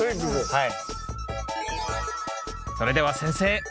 はい。